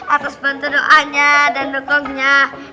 atas bantu doanya dan dukungnya